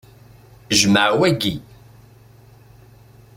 Jmeɛ waki!